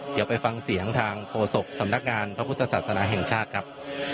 เดี๋ยวไปฟังเสียงทางโฆษกสำนักงานพระพุทธศาสนาแห่งชาติครับ